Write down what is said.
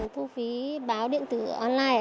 thu phí báo điện tử online